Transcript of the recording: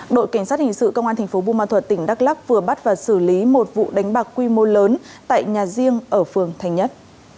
đội cảnh sát hình sự công an thành phố bù ma thuật tỉnh đắk lắc vừa bắt và xử lý một vụ đánh bạc quy mô lớn tại nhà riêng ở phường thành nhất